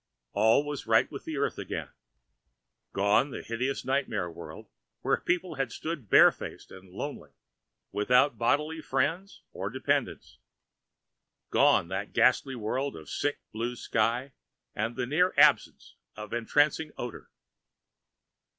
All was right with the earth again. Gone the hideous nightmare world when people had stood barefaced and lonely, without bodily friends or dependents. Gone that ghastly world of the sick blue sky and the near absence of entrancing odor.